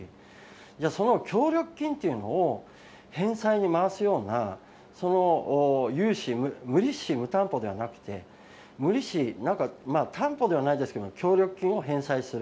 じゃあ、その協力金っていうのを返済に回すような融資、無利子無担保ではなくて、無利子、なんか担保ではないですけども、協力金を返済する。